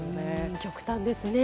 極端ですね。